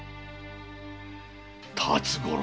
辰五郎。